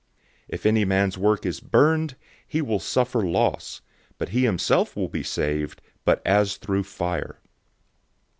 003:015 If any man's work is burned, he will suffer loss, but he himself will be saved, but as through fire.